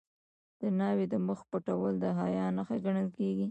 د ناوې د مخ پټول د حیا نښه ګڼل کیږي.